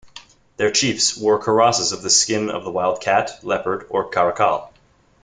Their chiefs wore karosses of the skin of the wild cat, leopard or caracal.